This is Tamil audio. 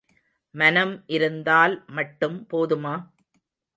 மனம் இருந்தால் மட்டும் போதுமா?